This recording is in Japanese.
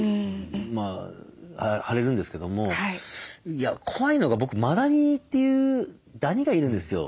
まあ腫れるんですけども怖いのが僕マダニというダニがいるんですよ。